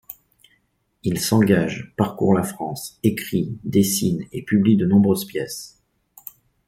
Il s'engage, parcourt la France, écrit, dessine et publie de nombreuses pièces.